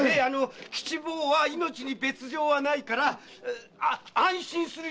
吉坊は命に別状はないから安心するように。